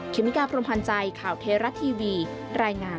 เมกาพรมพันธ์ใจข่าวเทราะทีวีรายงาน